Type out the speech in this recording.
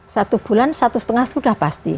satu bulan satu setengah sudah pasti